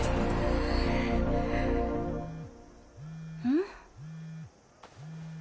ん？